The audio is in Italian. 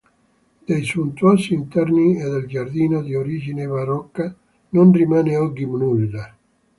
Dei sontuosi interni e del giardino di origine barocca non rimane oggi nulla.